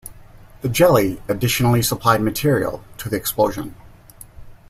The jelly additionally supplied material to the explosion.